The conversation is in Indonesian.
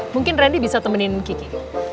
mungkin randy bisa temenin kiki